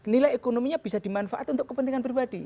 nilai ekonominya bisa dimanfaatkan untuk kepentingan pribadi